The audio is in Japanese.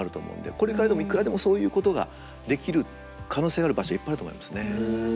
これからでもいくらでもそういうことができる可能性がある場所はいっぱいあると思いますね。